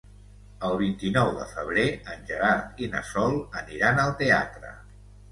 El vint-i-nou de febrer en Gerard i na Sol aniran al teatre.